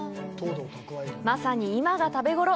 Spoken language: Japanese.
まさに今が食べごろ！